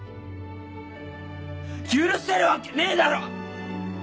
許せるわけねえだろ！